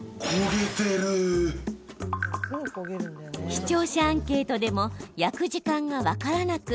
視聴者アンケートでも焼く時間が分からなく